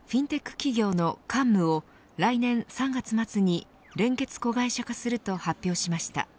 企業のカンムを来年３月末に連結子会社化すると発表しました。